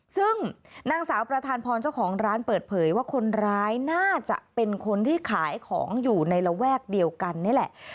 ซึ่งนางสาวประธานพรเจ้าของร้านเปิดเผยว่าคนร้ายน่าจะเป็นคนที่ขายของอยู่ในระแวกเดียวกันนี่แหละ